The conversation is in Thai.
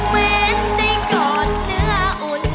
เว้นใจกอดเนื้ออุ่น